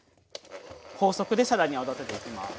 高速で更に泡立てていきます。